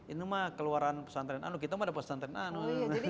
ini mah keluaran pesantren anu kita mah ada pesantren anu